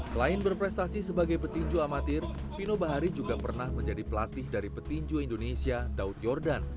selain berprestasi sebagai petinju amatir pino bahari juga pernah menjadi pelatih dari petinju indonesia daud yordan